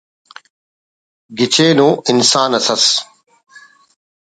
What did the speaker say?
گچین ءُ انسان اس ئس